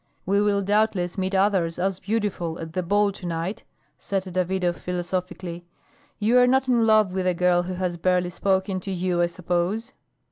"We will doubtless meet others as beautiful at the ball to night," said Davidov philosophically. "You are not in love with a girl who has barely spoken to you, I suppose."